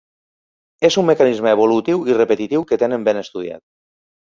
És un mecanisme evolutiu i repetitiu que tenen ben estudiat.